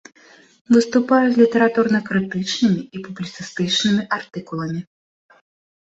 Выступае з літаратурна-крытычнымі і публіцыстычнымі артыкуламі.